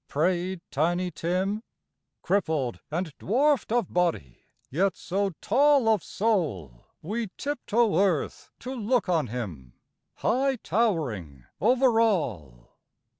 " prayed Tiny Tim, Crippled, and dwarfed of body, yet so tall Of soul, we tiptoe earth to look on him, High towering over all.